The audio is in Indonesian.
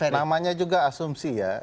namanya juga asumsi ya